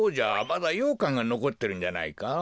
まだようかんがのこってるんじゃないか。